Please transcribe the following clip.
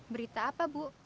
berita apa bu